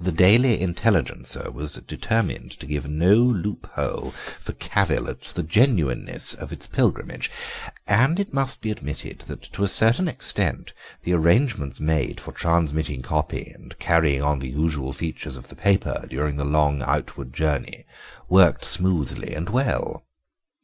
The Daily Intelligencer was determined to give no loophole for cavil at the genuineness of its pilgrimage, and it must be admitted that to a certain extent the arrangements made for transmitting copy and carrying on the usual features of the paper during the long outward journey worked smoothly and well.